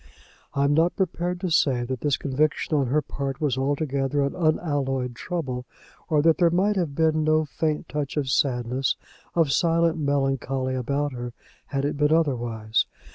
I am not prepared to say that this conviction on her part was altogether an unalloyed trouble, or that there might have been no faint touch of sadness, of silent melancholy about her, had it been otherwise.